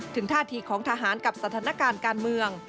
ท่าทีของทหารกับสถานการณ์การเมือง